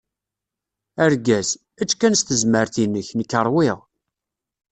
Argaz: Ečč kan s tezmert-inek, nekk ṛwiγ.